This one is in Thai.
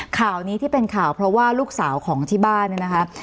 ข่าวนี้ที่เป็นข่าวเพราะว่าลูกสาวของที่บ้านเนี่ยนะคะ